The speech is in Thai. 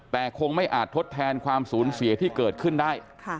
แต่คงไม่อาจทดแทนความสูญเสียที่เกิดขึ้นได้